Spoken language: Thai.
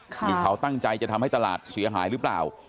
หรือเขาตั้งใจจะทำให้ตลาดเสียหายหรือเปล่า